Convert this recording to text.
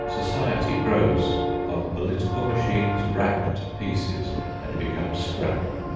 Society grows, while political machines rack to pieces and become "scrap."